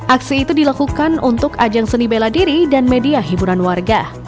aksi itu dilakukan untuk ajang seni bela diri dan media hiburan warga